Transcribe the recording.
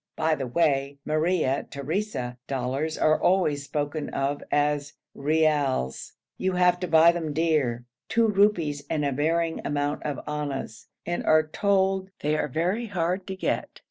By the way, Maria Theresa dollars are always spoken of as reals. You have to buy them dear, two rupees and a varying amount of annas, and are told they are very hard to get.